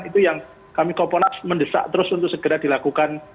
itu yang kami kompolnas mendesak terus untuk segera dilakukan